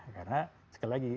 karena sekali lagi